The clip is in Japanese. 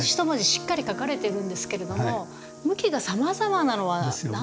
しっかり書かれてるんですけれども向きがさまざまなのは何でしょうか？